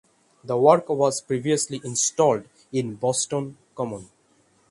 The work was previously installed in Boston Common.